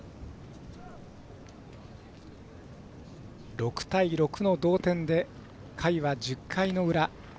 ６対６の同点で回は１０回の裏。